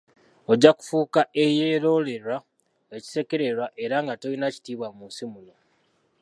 Ojja kufuuka eyerolerwa, ekisekererwa, era nga tolina kitiibwa mu nsi muno.